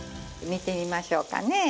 見てみましょうかね。